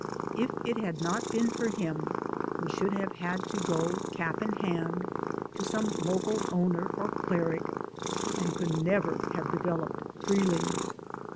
If it had not been for him we should have had to go, cap in hand, to some local owner or cleric and could never have developed freely.